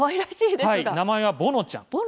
名前は、ぼのちゃん。